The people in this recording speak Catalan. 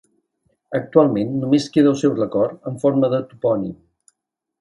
Actualment només queda el seu record en forma de topònim.